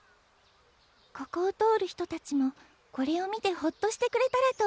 ここを通る人たちもこれを見てホッとしてくれたらと思って。